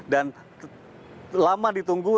dan lama ditunggu